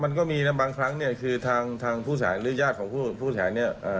มันก็มีนะบางครั้งเนี่ยคือทางทางผู้เสียหายหรือญาติของผู้เสียหายเนี่ย